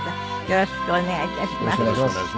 よろしくお願いします。